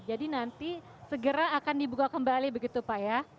jadi nanti segera akan dibuka kembali begitu pak ya